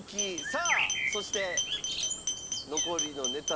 さあそして残りのネタは。